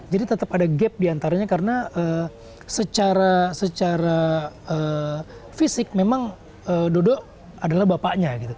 jadi tetap ada gap di antaranya karena secara fisik memang dodo adalah bapaknya